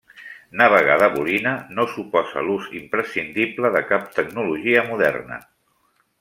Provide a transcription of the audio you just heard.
Navegar de bolina no suposa l'ús imprescindible de cap tecnologia moderna.